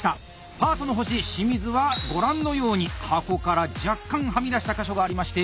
パートの星・清水はご覧のように箱から若干はみ出した箇所がありまして減点！